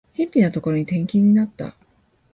辺ぴなところに転勤になった